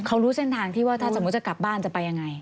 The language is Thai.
เขารู้เส้นทางที่ว่าถ้าสมมุติจะกลับบ้านจะไปยังไง